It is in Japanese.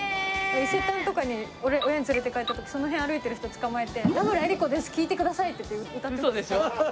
伊勢丹とかに親に連れて行かれた時その辺歩いてる人をつかまえて「田村英里子です聴いてください」って言って歌ってました。